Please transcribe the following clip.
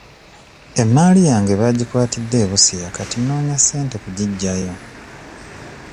Emmaali yange bagikwatidde e Busia kati noonya ssente kugiggyayo.